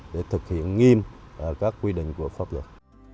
để thực hiện nghiêm các quy định của pháp luật